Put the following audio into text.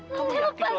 lepasin sakti lepas